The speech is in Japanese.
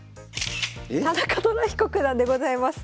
田中寅彦九段でございます。